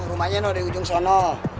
rumahnya di ujung sana